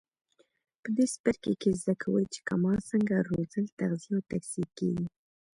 په دې څپرکي کې زده کوئ چې کبان څنګه روزل تغذیه او تکثیر کېږي.